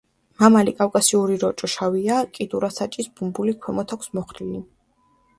მამალი კავკასიური როჭო შავია, კიდურა საჭის ბუმბული ქვემოთ აქვს მოხრილი.